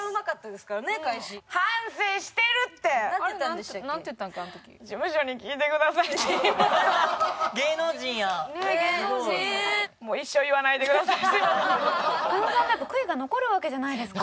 すごい。加納さんもやっぱ悔いが残るわけじゃないですか。